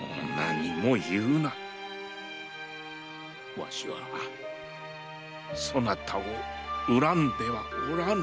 わしはそなたを恨んではおらん！